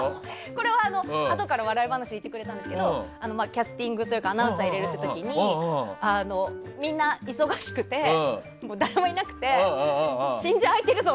これはあとから笑い話で言ってくれたんですけどキャスティングというかアナウンサー入れるという時にみんな忙しくて、誰もいなくて新人空いてるぞ！